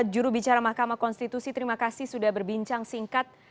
jurubicara mahkamah konstitusi terima kasih sudah berbincang singkat